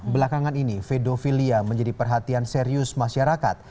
belakangan ini pedofilia menjadi perhatian serius masyarakat